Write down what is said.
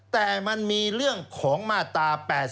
แต่มันมีเรื่องของมาตรา๘๔